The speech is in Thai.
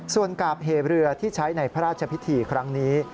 ส่วนกาบเหเรือที่ใช้ในพระราชพิธีครั้งนี้